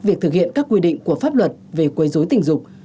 và thực hiện các quy định của pháp luật về quấy rối tình dục